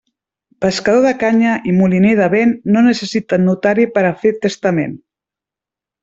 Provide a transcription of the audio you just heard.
Pescador de canya i moliner de vent no necessiten notari per a fer testament.